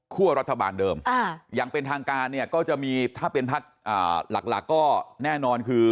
คั่วรัฐบาลเดิมอย่างเป็นทางการก็จะมีถ้าเป็นภักดิ์หลักก็แน่นอนคือ